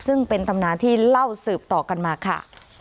ซึ่งเป็นตำนานที่เล่าสืบต่อกันมาค่ะ